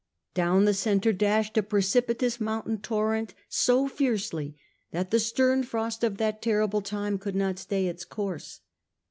Down the centre dashed a precipitous mountain tor rent so fiercely that the stern frost of that terrible time could not stay its course.